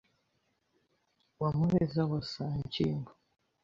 Wa Muheza wa Sanshyimbo